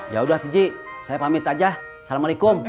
ya sudah ji saya pamit saja assalamualaikum